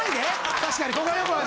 確かに。